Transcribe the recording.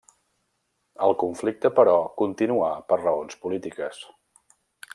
El conflicte, però, continuà per raons polítiques.